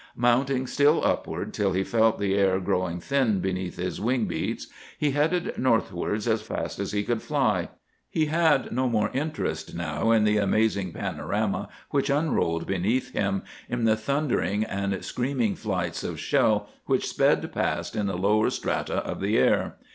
Mounting still upward till he felt the air growing thin beneath his wing beats, he headed northwards as fast as he could fly. He had no more interest now in the amazing panorama which unrolled beneath him, in the thundering and screaming flights of shell which sped past in the lower strata of the air.